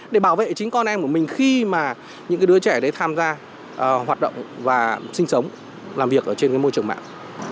để bảo vệ chính con em của mình khi mà những đứa trẻ đấy tham gia hoạt động và sinh sống làm việc ở trên môi trường mạng